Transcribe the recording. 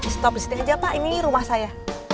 stop di sini aja pak ini rumah saya